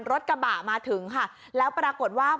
กระบะมาถึงค่ะแล้วปรากฏว่า